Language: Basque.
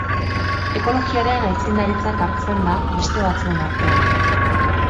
Ekologiaren aitzindaritzat hartzen da beste batzuen artean.